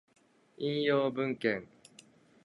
引用文献